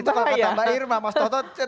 itu kalau kata mbak irma mas toto